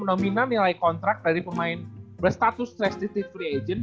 nomina nilai kontrak dari pemain berstatus restricted free agent